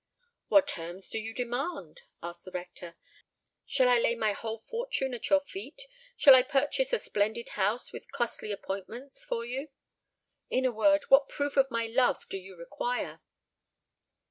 "What terms do you demand?" asked the rector. "Shall I lay my whole fortune at your feet? Shall I purchase a splendid house, with costly appointments, for you? In a word, what proof of my love do you require?"